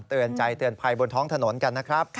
เตือนใจเตือนภัยบนท้องถนนกันนะครับ